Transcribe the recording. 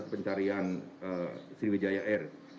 pencarian sriwijaya air